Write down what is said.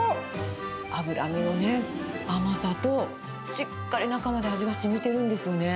脂身の甘さと、しっかり中まで味がしみてるんですよね。